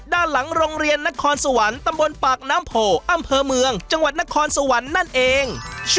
ด้านหลังโรงเรียนนครสวรรค์ตำบลปากน้ำโพอำเภอเมืองจังหวัดนครสวรรค์นั่นเอง